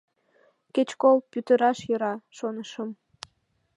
Кеч кол пӱтыраш йӧра, шонышым.